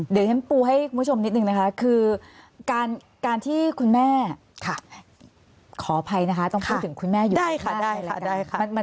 เดี๋ยวฉันปูให้คุณผู้ชมนิดนึงนะคะคือการที่คุณแม่ขออภัยนะคะต้องพูดถึงคุณแม่อยู่นะคะ